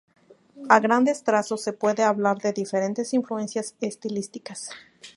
A grandes trazos se puede hablar de diferentes influencias estilísticas.